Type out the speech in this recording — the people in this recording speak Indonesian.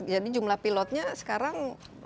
jadi jumlah pilotnya sekarang